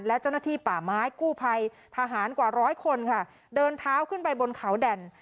และเจ้าหน้าที่ป่าไม้กู้ภัยทหารกว่าร้อยคนค่ะเดินเท้าขึ้นไปบนเขาแด่น